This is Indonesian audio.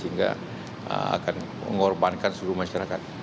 sehingga akan mengorbankan seluruh masyarakat